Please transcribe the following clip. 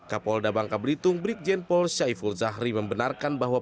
kapolda bangka belitung brigjen pol syaiful zahri membenarkan bahwa